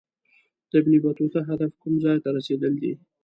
د ابن بطوطه هدف کوم ځای ته رسېدل دي.